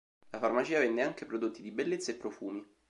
La farmacia vende anche prodotti di bellezza e profumi.